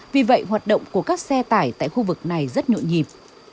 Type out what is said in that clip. vì vậy hoạt động của các xe tải tại khu vực này rất nhộn nhịp